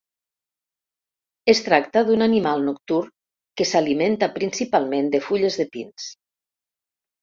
Es tracta d'un animal nocturn que s'alimenta principalment de fulles de pins.